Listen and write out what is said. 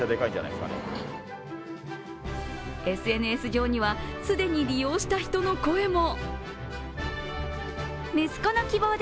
ＳＮＳ上には、既に利用した人の声も。